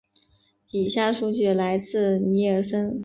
以下数据来自尼尔森。